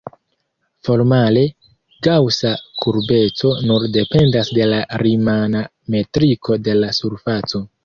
Formale, gaŭsa kurbeco nur dependas de la rimana metriko de la surfaco.